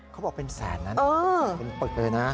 เขาบอกเป็นแสนนะเป็นปึ๊กเลยนะ